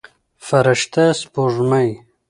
فرشته سپوږمۍ